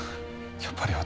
やっぱり私は。